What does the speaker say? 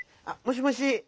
あもしもし。